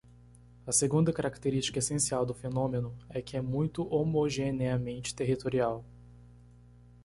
A segunda característica essencial do fenômeno é que é muito homogeneamente territorial.